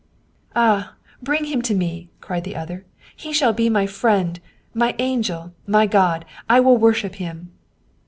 " Ah ! bring him to me !" cried the other. " He shall be my friend, my angel, my God I will worship him